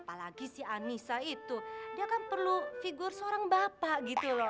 apalagi si anissa itu dia kan perlu figur seorang bapak gitu loh